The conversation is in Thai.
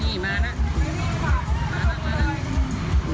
นี่มาแล้วมาแล้ว